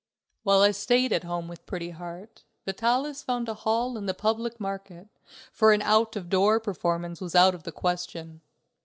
While I stayed at home with Pretty Heart, Vitalis found a hall in the public market, for an out of door performance was out of the question.